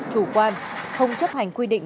chủ quan không chấp hành quy định